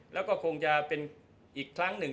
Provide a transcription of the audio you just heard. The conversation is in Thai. แล้วก็คงจะเป็นอีกครั้งหนึ่ง